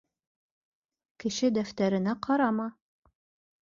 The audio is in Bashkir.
Кеше дәфтәренә ҡарама!